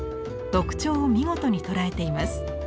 特徴を見事に捉えています。